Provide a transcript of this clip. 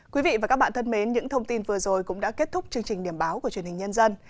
quý vị và các bạn thân mến những thông tin vừa rồi cũng đã kết thúc chương trình điểm báo của truyền hình nhân dân